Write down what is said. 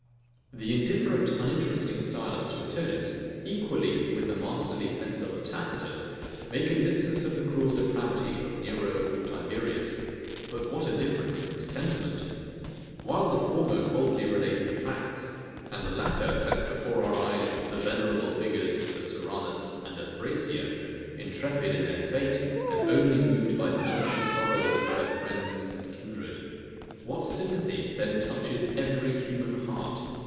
The indifferent, uninteresting style of Suetonius, equally with the masterly pencil of Tacitus, may convince us of the cruel depravity of Nero or Tiberius: But what a difference of sentiment! While the former coldly relates the facts; and the latter sets before our eyes the venerable figures of a Soranus and a Thrasea, intrepid in their fate, and only moved by the melting sorrows of their friends and kindred. What sympathy then touches every human heart!